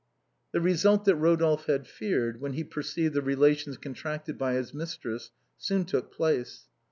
The result that Eodolphe had feared, when he perceived the relations contracted by his mistress, soon took place.